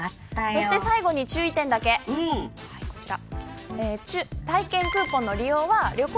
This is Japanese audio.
最後に注意点だけ、こちら。